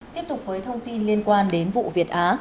tiếp tục với thông tin liên quan đến vụ việt á